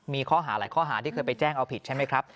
มีข้อหาหลายข้อหาที่เคยไปแจ้งเอาผิดใช่ไหมครับ